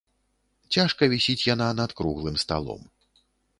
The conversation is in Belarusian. Цяжка вісіць яна над круглым сталом.